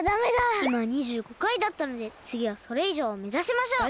いま２５回だったのでつぎはそれいじょうをめざしましょう！だね！